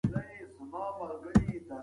پښتو باید یوازې شعار نه وي؛ عمل باید وي.